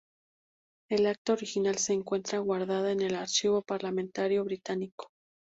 El acta original se encuentra guardada en el Archivo Parlamentario británico.